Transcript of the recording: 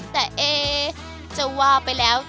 แต่เอ๊จะว่าไปแล้ว